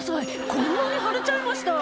こんなに腫れちゃいました」